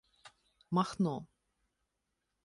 Махно.